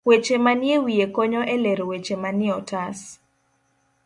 Weche manie wiye konyo e lero weche manie otas.